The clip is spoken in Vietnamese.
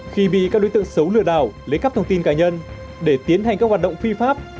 khi bị các đối tượng xấu lừa đảo lấy cắp thông tin cá nhân để tiến hành các hoạt động phi pháp